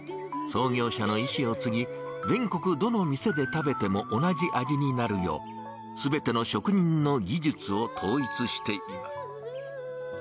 創業者のいしを継ぎ、全国どの店で食べても同じ味になるよう、すべての職人の技術を統一しています。